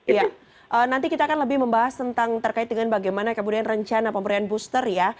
iya nanti kita akan lebih membahas tentang terkait dengan bagaimana kemudian rencana pemberian booster ya